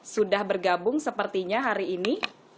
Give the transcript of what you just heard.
sudah bergabung sepertinya hari ini